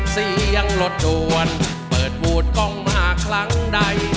เสียงลดดวนเปิดหวุดกล้องมาครั้งใด